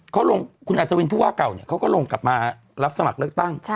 เขาลงคุณอัศวินผู้ว่าเก่าเนี่ยเขาก็ลงกลับมารับสมัครเลือกตั้ง